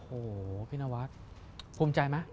โหพี่นวัสภูมิใจไหม